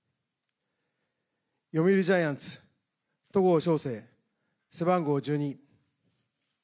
読売ジャイアンツ戸郷翔征、背番号１２。